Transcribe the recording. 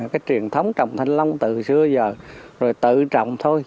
cái truyền thống trồng thanh long từ xưa giờ rồi tự trồng thôi